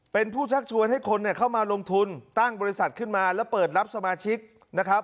เป็นผู้ชักชวนให้คนเข้ามาลงทุนตั้งบริษัทขึ้นมาแล้วเปิดรับสมาชิกนะครับ